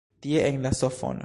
Tie en la sofon.